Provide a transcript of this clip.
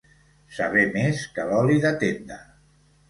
Saber més que l'oli de tenda.